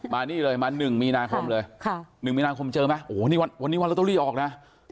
มานี่เลยมา๑มีนาคมเลย๑มีนาคมเจอไหมวันนี้วันละตัวรีออกนะ